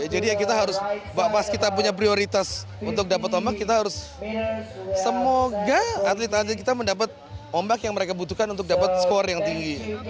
jadi ya kita harus pas kita punya prioritas untuk dapat ombak kita harus semoga atlet atlet kita mendapat ombak yang mereka butuhkan untuk dapat skor yang tinggi